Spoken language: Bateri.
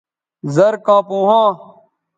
زر کاں پو ھاں